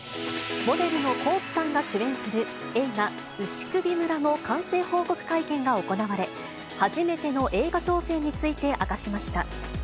モデルのＫｏｋｉ，さんが主演する映画、牛首村の完成報告会見が行われ、初めての映画挑戦について明かし